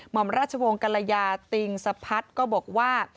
หมอมราชวงศ์กรยาติงสะพัดก็บอกว่า